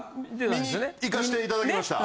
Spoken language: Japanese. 観に行かせていただきました。